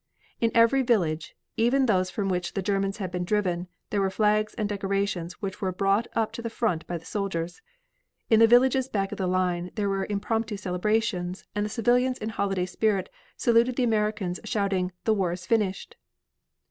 In every village, even those from which the Germans had been driven, there were flags and decorations which were brought up to the front by the soldiers. In the villages back of the line there were impromptu celebrations and the civilians in holiday spirit saluted the Americans, shouting "the war is finished."